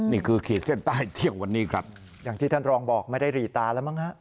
ขีดเส้นใต้เที่ยงวันนี้ครับอย่างที่ท่านรองบอกไม่ได้หรี่ตาแล้วมั้งฮะ